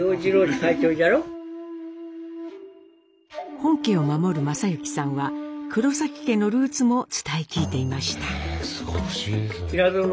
本家を守る正幸さんは黒家のルーツも伝え聞いていました。